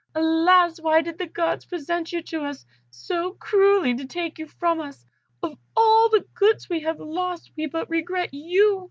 Alas! why did the Gods present you to us, so cruelly to take you from us? Of all the goods we have lost we but regret you!"